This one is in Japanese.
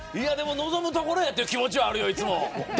望むところやという気持ちはあるよ。